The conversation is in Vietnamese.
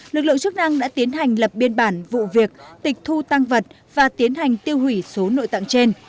lực lượng chức năng đã tiến hành lập biên bản vụ việc tịch thu tăng vật và tiến hành tiêu hủy số nội tạng trên